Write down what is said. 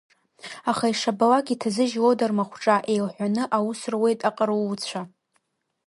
Аха ишабалак иҭазыжьлода рмахәҿа еилҳәаны аус руеит аҟарулцәа…